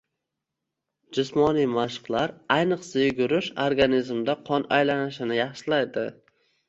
Jismoniy mashqlar, ayniqsa yugurish organizmda qon aylanishini yaxshilaydi.